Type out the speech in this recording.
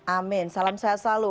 amin salam sehat selalu